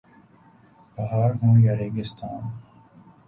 پہاڑ ہوں یا ریگستان